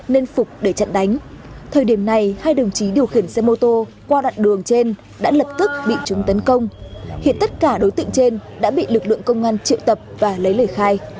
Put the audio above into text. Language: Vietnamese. nên phục để trận đánh thời điểm này hai đồng chí điều khiển xe mô tô qua đoạn đường trên đã lập tức bị chúng tấn công hiện tất cả đối tượng trên đã bị lực lượng công an triệu tập và lấy lời khai